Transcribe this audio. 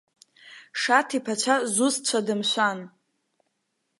Шаҭ-иԥацәа зусҭцәада, мшәан?!